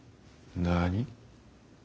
何？